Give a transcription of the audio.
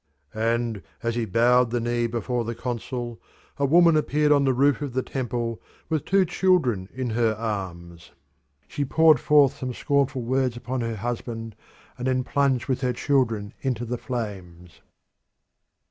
And as he bowed the knee before the consul a woman appeared on the roof of the temple with two children in her arms. She poured forth some scornful words upon her husband, and then plunged with her children into the flames.